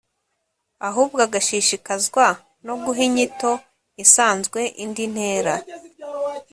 ahubwoagashishikazwa no guha inyito isanzwe indi ntera